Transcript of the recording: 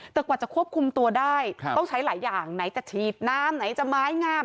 แต่กว่าจะควบคุมตัวได้ต้องใช้หลายอย่างไหนจะฉีดน้ำไหนจะไม้งาม